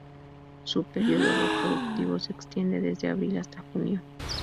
Su período reproductivo se extiende desde abril hasta junio.